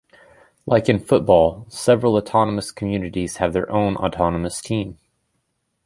Like in football, several Autonomous Communities have their own autonomous team.